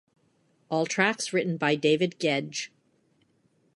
All tracks written by David Gedge.